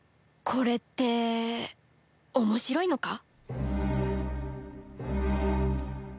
これって面白いのか？